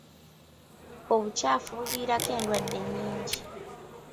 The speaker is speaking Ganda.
Obukyafu buviirako endwadde nnyingi.